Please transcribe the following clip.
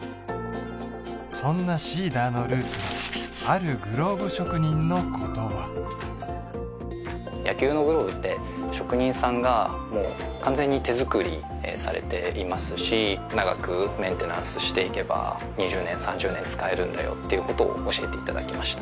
そんなＳｅｅｄｅｒのルーツはある野球のグローブって職人さんがもう完全に手作りされていますし長くメンテナンスしていけば２０年３０年使えるんだよっていうことを教えていただきました